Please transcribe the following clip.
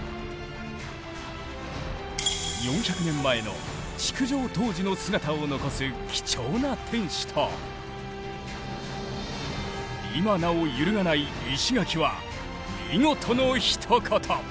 ４００年前の築城当時の姿を残す貴重な天守と今なお揺るがない石垣は見事のひと言！